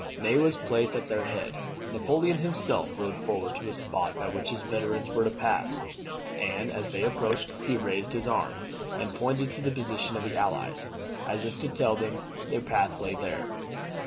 Ney was placed at their head. Napoleon himself rode forward to a spot by which his veterans were to pass; and, as they approached, he raised his arm, and pointed to the position of the Allies, as if to tell them that their path lay there.